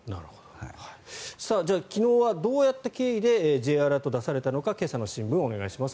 昨日はどういった経緯でＪアラートが出されたのか今朝の新聞お願いします。